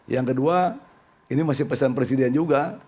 yang kedua ini masih pesan presiden juga